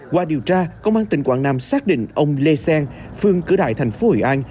qua điều tra công an tỉnh quảng nam xác định ông lê xen phương cửa đại thành phố hội an